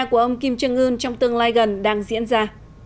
của ông kim jong un trong tương lai gần đang diễn ra